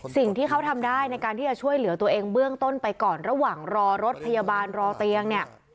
สิ่งที่เขาทำได้ในการที่จะช่วยเหลือตัวเองเบื้องต้นไปก่อนระหว่างรอรถพยาบาลรอเตียงเนี่ย